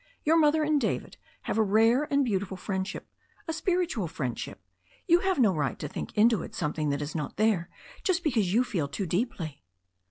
Your mother and David have a rare and beautiful friendship — a spiritual friendship. You have no right to think into it something that is not there just because you feel too deeply."